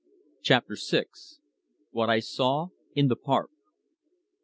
CHAPTER SIX. WHAT I SAW IN THE PARK.